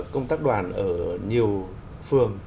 công tác đoàn ở nhiều phường